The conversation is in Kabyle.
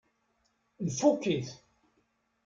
Nfukk-it.